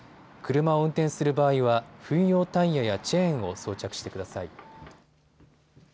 車を運転する場合は冬用タイヤやチェーンを装着してください。